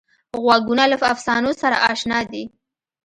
غوږونه له افسانو سره اشنا دي